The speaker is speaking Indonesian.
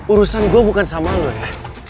urusan gua bukan sama lu ya